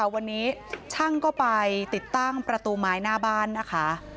วันนี้ช่างก็ไปติดตั้งประตูไม้หน้าบ้านนะคะ